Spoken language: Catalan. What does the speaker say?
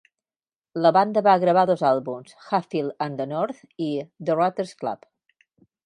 La banda va gravar dos àlbums: "Hatfield and the North" i "The Rotters' Club".